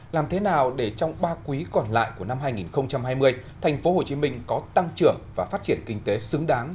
làm thế nào để trong ba quý còn lại của năm hai nghìn hai mươi tp hcm có tăng trưởng và phát triển kinh tế xứng đáng